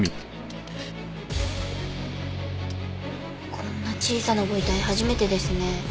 こんな小さなご遺体初めてですね。